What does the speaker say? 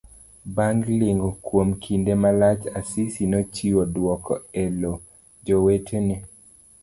Bang' ling kuom kinde malach. Asisi nochiwo dwoko elo jowetene.